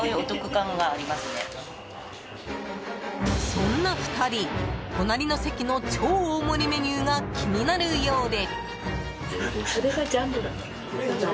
そんな２人隣の席の超大盛りメニューが気になるようで。